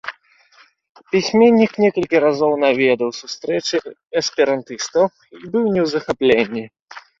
Пісьменнік некалькі разоў наведаў сустрэчы эсперантыстаў і быў не ў захапленні.